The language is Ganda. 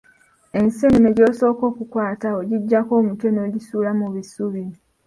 Enseenene gy'osooka okukwata ogiggyako omutwe n’ogisulika mu bisubi.